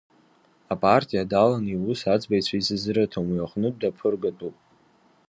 Апартиа даланы, иус аӡбаҩцәа, исызрыҭом, уи аҟнытә даԥыргатәуп.